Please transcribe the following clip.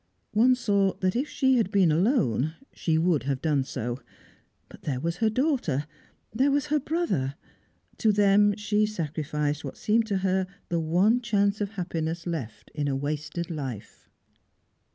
One saw that, if she had been alone, she would have done so; but there was her daughter, there was her brother; to them she sacrificed what seemed to her the one chance of happiness left in a wasted life.